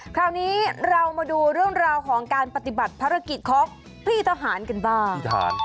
คราวนี้เรามาดูเรื่องราวของการปฏิบัติภารกิจของพี่ทหารกันบ้าง